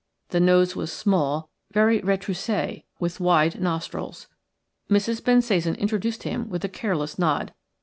The nose was small, very retroussé with wide nostrils. Mrs. Bensasan introduced him with a careless nod.